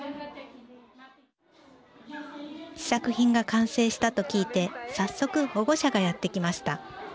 試作品が完成したと聞いて早速、保護者がやって来ました。